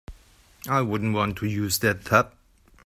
I wouldn't want to use that tub.